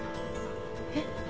えっ？